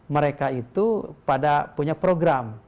mereka itu pada punya program